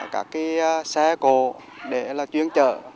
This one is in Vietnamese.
các cái xe cổ để là chuyến chở